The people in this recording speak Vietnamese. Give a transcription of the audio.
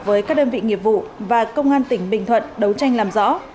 với các đơn vị nghiệp vụ và công an tỉnh bình thuận đấu tranh làm rõ